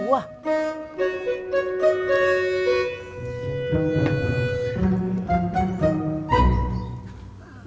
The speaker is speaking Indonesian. lu gue mau dari goga